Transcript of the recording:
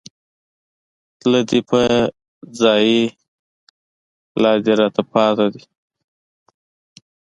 تله دې په ځائے، لا دې راتله پاتې دي